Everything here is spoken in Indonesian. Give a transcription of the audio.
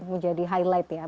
menjadi highlight ya